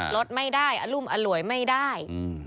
ลดไม่ได้อรุมอร่วยไม่ได้